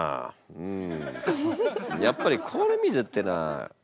うん。